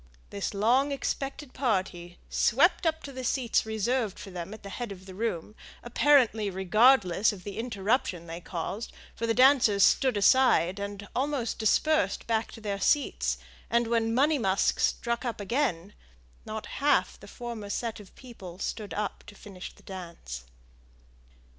This long expected party swept up to the seats reserved for them at the head of the room, apparently regardless of the interruption they caused; for the dancers stood aside, and almost dispersed back to their seats, and when "Money musk" struck up again, not half the former set of people stood up to finish the dance.